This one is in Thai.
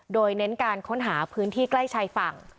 โดยเน้นการค้นหาพื้นที่ใกล้ชายฝั่ง